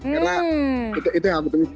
karena itu yang aku tunggu